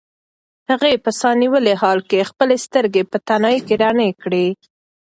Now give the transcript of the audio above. هغې په ساه نیولي حال کې خپلې سترګې په تنهایۍ کې رڼې کړې.